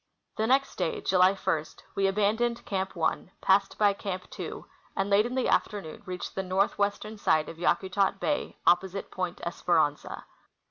The next day, July 1, we abandoned Camp 1, passed by Camp 2, and late in the afternoon reached the northwestern side of Yakutat bay, opposite Point Esperanza.